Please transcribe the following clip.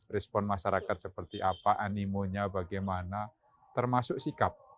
respon masyarakat seperti apa animonya bagaimana termasuk sikap